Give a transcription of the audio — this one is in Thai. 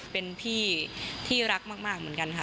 เป็นพี่ที่รักมากเหมือนกันค่ะ